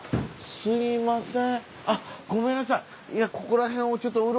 すみません